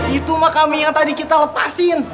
itu mah kambing yang tadi kita lepasin